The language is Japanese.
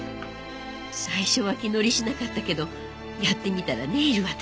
最初は気乗りしなかったけどやってみたらネイルは楽しかった。